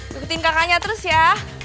duktiin kakaknya terus ya